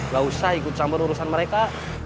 gak usah ikut campur urusan mereka